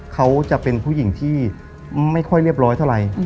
เขาจะเป็นผู้หญิงที่ไม่ค่อยเรียบร้อยเท่าไหร่